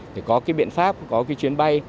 để có cái biện pháp có cái chuyến bay